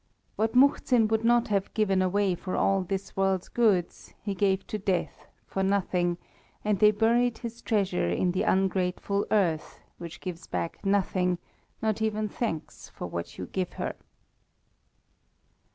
What Muhzin would not have given away for all this world's goods he gave to Death for nothing, and they buried his treasure in the ungrateful Earth, which gives back nothing, not even thanks for what you give her.